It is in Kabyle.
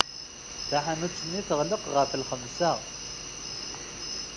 Taḥanut-nni teɣleq ɣef lxemsa.